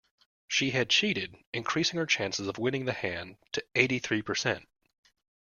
She had cheated, increasing her chances of winning the hand to eighty-three percent